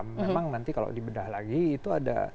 memang nanti kalau dibedah lagi itu ada